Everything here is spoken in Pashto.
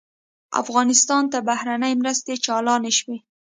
افغانستان ته بهرنۍ مرستې چالانې شوې.